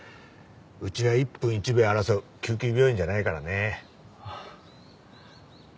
うちは一分一秒を争う救急病院じゃないからね。